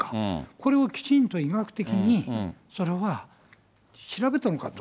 これをきちんと医学的に、それは調べたのかと。